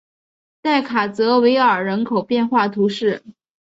代卡泽维尔人口变化图示